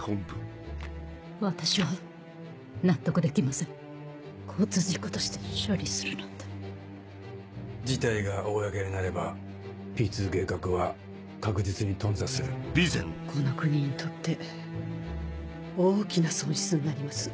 私は納得できません交通事故として処理するなんて事態が公になればＰ２計画はこの国にとって大きな損失になります